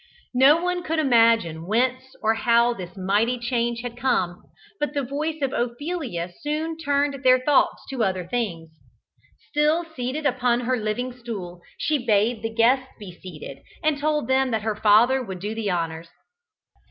No one could imagine whence or how this mighty change had come, but the voice of Ophelia soon turned their thoughts to other things. Still seated upon her living stool, she bade the guests be seated, and told them that her father would do the honours.